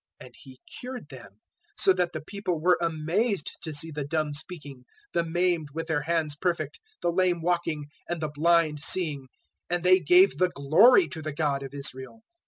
And He cured them, 015:031 so that the people were amazed to see the dumb speaking, the maimed with their hands perfect, the lame walking, and the blind seeing; and they gave the glory to the God of Israel.